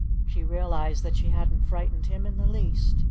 She realized that she hadn't frightened him in the least.